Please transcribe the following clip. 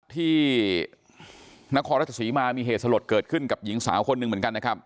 ที่นครราชสีมามีเหตุสลดเกิดขึ้นกับหญิงสาวคนหนึ่งเหมือนกันนะครับ